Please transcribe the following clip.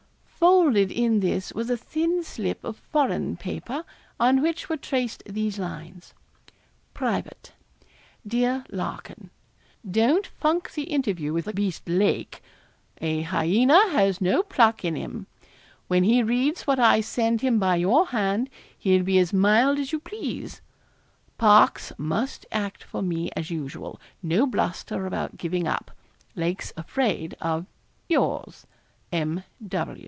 Folded in this was a thin slip of foreign paper, on which were traced these lines: 'Private. 'DEAR LARKIN, Don't funk the interview with the beast Lake a hyaena has no pluck in him. When he reads what I send him by your hand, he'll be as mild as you please. Parkes must act for me as usual no bluster about giving up. Lake's afraid of yours, 'M.